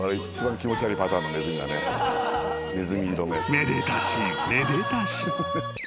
［めでたしめでたし］